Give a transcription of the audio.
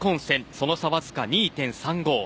その差わずか２．３５。